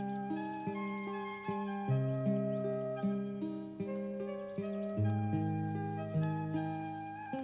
dan membuatkan kemampuan anda